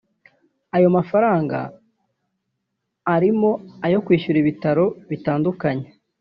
Ayo mafaranga arimo ayo kwishyura ibitaro bitandukanye